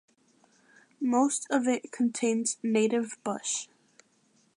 Most of it contains native bush.